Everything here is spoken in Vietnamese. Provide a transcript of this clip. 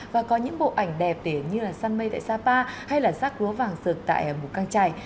và có những bộ ảnh đẹp như là săn mây tại sapa hay là sắc lúa vàng rực tại bù căng trải